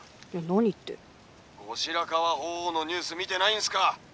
「後白河法皇のニュース見てないんすか？